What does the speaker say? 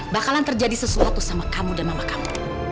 bakalan terjadi sesuatu sama kamu dan mama kamu